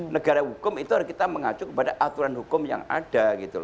negara hukum itu harus kita mengacu kepada aturan hukum yang ada gitu loh